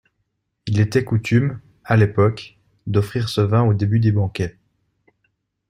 Il était coutume, à l'époque, d'offrir ce vin au début des banquets.